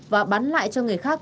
và bán lại cho người khác